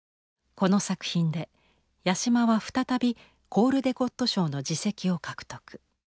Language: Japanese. この作品で八島は再びコールデコット賞の次席を獲得。